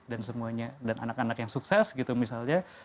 dan semuanya dan anak anak yang sukses gitu misalnya